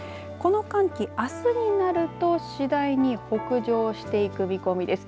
この寒気、あすになると次第に北上していく見込みです。